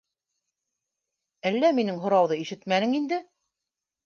Әллә минең һорауҙы ишетмәнең инде?